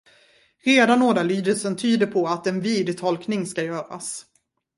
Redan ordalydelsen tyder på att en vid tolkning ska göras.